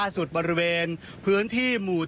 นี่แหละนี่แหละนี่แหละนี่แหละ